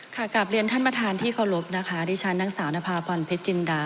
ค่ะกับเรียนท่านประธานที่เคารพนะคะดิฉันนักศาลนภาพวันพฤทธิ์จินดา